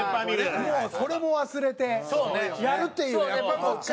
もうそれも忘れてやるっていうやっぱ。